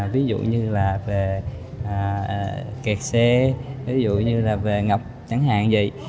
ví dụ như là về kẹt xe ví dụ như là về ngập chẳng hạn gì